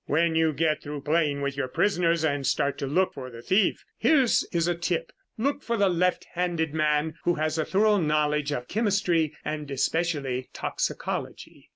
"When you get through playing with your prisoners and start to look for the thief, here is a tip. Look for a left handed man who has a thorough knowledge of chemistry and especially toxicology."